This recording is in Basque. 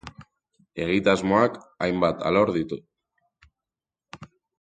Egitasmoak hainbat alor ditu.